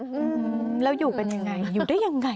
อืมแล้วอยู่กันยังไงอยู่ได้ยังไง